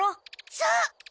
そう！